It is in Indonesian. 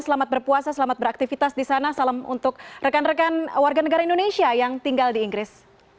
selamat berpuasa selamat beraktivitas di sana salam untuk rekan rekan warga negara indonesia yang tinggal di inggris